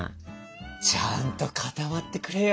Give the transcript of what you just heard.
ちゃんと固まってくれよ。